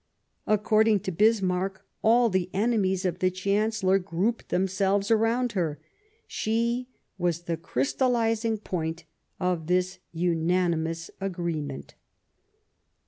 According to Bismarck, all the enemies of the Chancellor grouped themselves around her ; she was " the crystallizing point of this unanimous agreement."